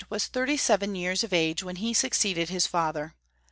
was thirtj^ seven years of i ^ A age when he succeeded his father.